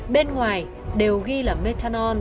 bên ngoài đều ghi là methanol